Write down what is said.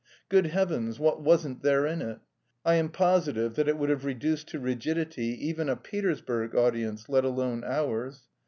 Good heavens, what wasn't there in it! I am positive that it would have reduced to rigidity even a Petersburg audience, let alone ours.